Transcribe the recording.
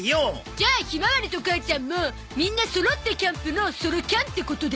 じゃあひまわりと母ちゃんもみんなそろってキャンプのソロキャンってことで